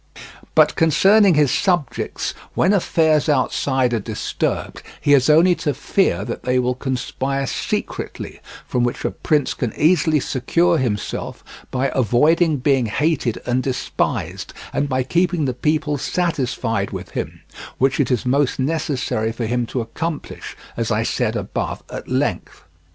But concerning his subjects, when affairs outside are disturbed he has only to fear that they will conspire secretly, from which a prince can easily secure himself by avoiding being hated and despised, and by keeping the people satisfied with him, which it is most necessary for him to accomplish, as I said above at length.